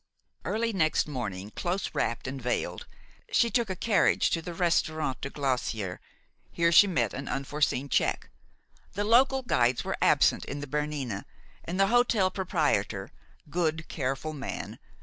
Early next morning, close wrapped and veiled, she took a carriage to the Restaurant du Glacier. Here she met an unforeseen check. The local guides were absent in the Bernina, and the hotel proprietor good, careful man!